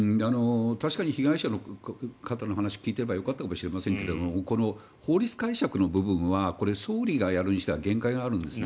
確かに被害者の方の話を聞いていればよかったかもしれませんが法律解釈の部分は総理がやるにしては限界があるんです。